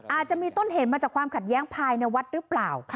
อาจจะมีต้นเหตุมาจากความขัดแย้งภายในวัดหรือเปล่า